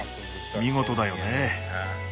見事だよね。